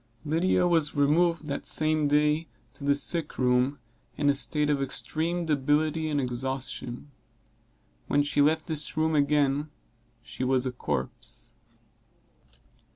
Lydia was removed that same day to the sick room, in a state of extreme debility and exhaustion. When she left this room again she was a corpse.